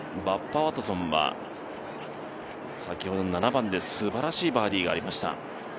バッバ・ワトソンは先ほど７番ですばらしいバーディーがありました。